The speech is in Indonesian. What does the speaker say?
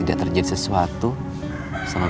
walaupun nasib nya sudah weet temanku